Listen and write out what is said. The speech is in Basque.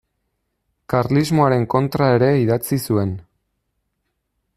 Karlismoaren kontra ere idatzi zuen.